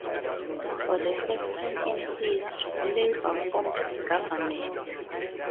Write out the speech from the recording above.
For the first time in history, Labour formed a government.